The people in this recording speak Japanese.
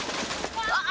あっ！！